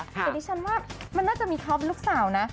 แต่ดิฉันว่ามันน่าจะมีท็อปลูกสาวนะ